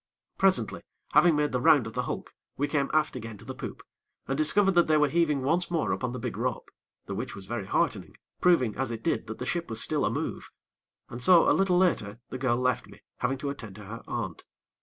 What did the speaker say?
Presently, having made the round of the hulk, we came aft again to the poop, and discovered that they were heaving once more upon the big rope, the which was very heartening, proving, as it did, that the ship was still a move. And so, a little later, the girl left me, having to attend to her aunt.